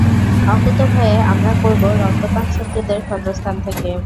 অকুতোভয়ে, আমরা করবো রক্তপান শত্রুদের ক্ষতস্থান থেকে।